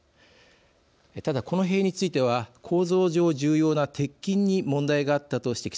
ただこの塀については構造上重要な鉄筋に問題があったと指摘されています。